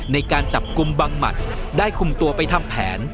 ในการจับกลุ่มบังหมัดได้คุมตัวไปทำแผน